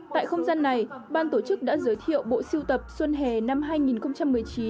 tại không gian này ban tổ chức đã giới thiệu bộ siêu tập xuân hè năm hai nghìn một mươi chín